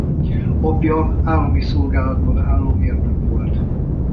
Apja állami szolgálatban álló mérnök volt.